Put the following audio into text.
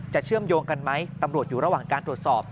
เชื่อมโยงกันไหมตำรวจอยู่ระหว่างการตรวจสอบ